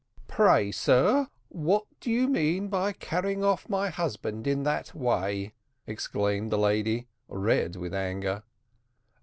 "Pray, sir, what do you mean by carrying off my husband in that way?" exclaimed the lady, red with anger.